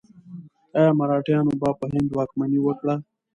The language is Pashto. ایا مرهټیانو بیا په هند واکمني وکړه؟